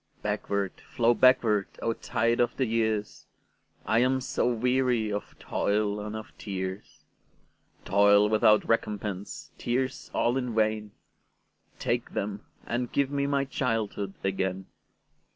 Backward, flow backward, O tide of the years!I am so weary of toil and of tears,—Toil without recompense, tears all in vain,—Take them, and give me my childhood again!